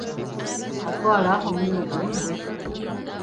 Atwala omulimu gwe ng'ekikulu.